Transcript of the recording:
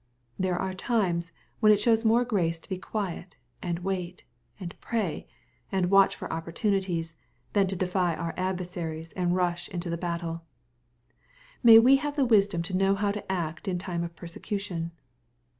There are times when it shows more grace to be quiet, and wait, and pray, and watch for opportunities, than to defy our adversaries, and rush into the battle) / May we have wisdom to know how to act in time ot persecution)!